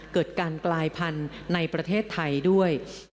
เกิดการกลายพันธุ์ในประเทศไทยด้วย